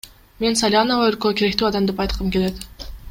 Мен Салянова – өлкөгө керектүү адам деп айткым келет.